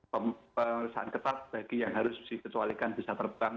pembesaran ketat bagi yang harus disesuaikan bisa terbang